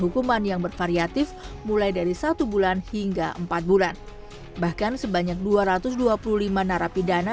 hukuman yang bervariatif mulai dari satu bulan hingga empat bulan bahkan sebanyak dua ratus dua puluh lima narapidana